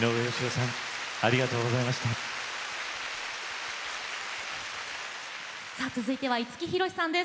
さあ続いては五木ひろしさんです。